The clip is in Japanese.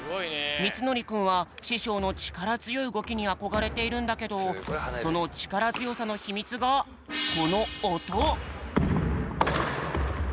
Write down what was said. みつのりくんはししょうのちからづよいうごきにあこがれているんだけどそのちからづよさのひみつがこのおと。